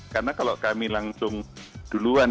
karena kalau kami langsung duluan